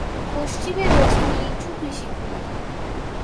পশ্চিমে রয়েছে নিচু কৃষিভূমি।